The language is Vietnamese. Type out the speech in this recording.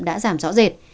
đã giảm rõ rệt